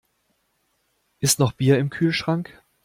Ist noch Bier im Kühlschrank?